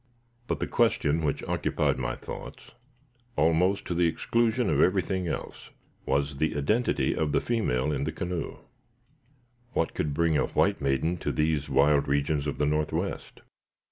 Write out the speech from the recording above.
But the question which occupied my thoughts, almost to the exclusion of everything else, was the identity of the female in the canoe. What could bring a white maiden to these wild regions of the northwest?